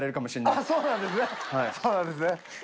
あっそうなんですね。